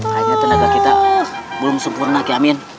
hanya tenaga kita belum sempurna kiamin